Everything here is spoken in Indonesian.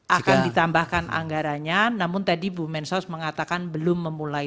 akan ditambahkan anggarannya namun tadi bu mensos mengatakan belum memulai